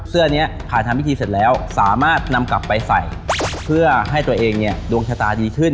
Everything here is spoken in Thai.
เสื้อนี้ผ่านทำพิธีเสร็จแล้วสามารถนำกลับไปใส่เพื่อให้ตัวเองเนี่ยดวงชะตาดีขึ้น